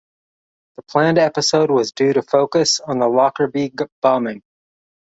The planned episode was due to focus on the Lockerbie bombing.